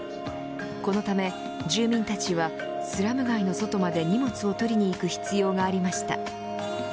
このため住民たちはスラム街の外まで荷物を取りにいく必要がありました。